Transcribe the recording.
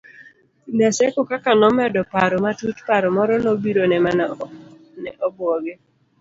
Naseko kaka nomedo paro matut, paro moro nobirone mane obwoge